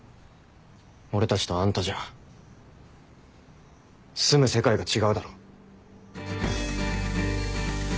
俺たちとあんたじゃ住む世界が違うだろ。